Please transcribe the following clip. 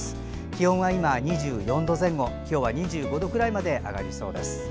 気温は今２４度前後今日は２５度くらいまで上がりそうです。